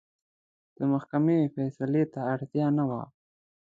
محکمې فیصلې ته اړتیا نه وه.